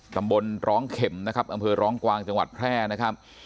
ตำบลร้องเข็มนะครับอำเภอร้องกวางจังหวัดแพร่นะครับ